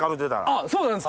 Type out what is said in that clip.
あっそうなんですか！